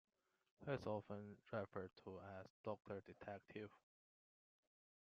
He is often referred to as Doctor Detective.